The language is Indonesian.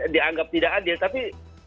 dianggap tidak adil tapi